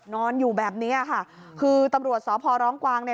นอนอยู่แบบเนี้ยค่ะคือตำรวจสพร้องกวางเนี่ย